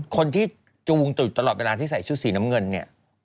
คนที่จูงติดตลอดเวลาที่ใส่ชื่อสีน้ำเงินเนี่ย